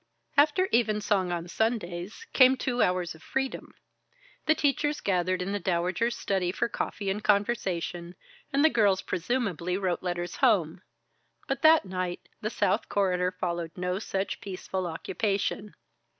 After evensong on Sundays, came two hours of freedom. The teachers gathered in the Dowager's study for coffee and conversation, and the girls presumably wrote letters home. But that night, the South Corridor followed no such peaceful occupation.